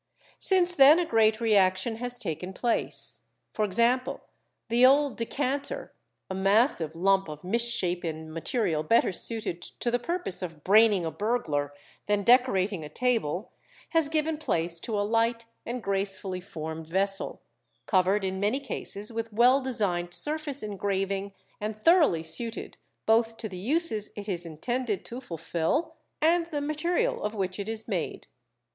Since then a great reaction has taken place. For example, the old decanter, a massive lump of misshapen material better suited to the purpose of braining a burglar than decorating a table, has given place to a light and gracefully formed vessel, covered in many cases with well designed surface engraving, and thoroughly suited both to the uses it is intended to fulfil and the material of which it is made.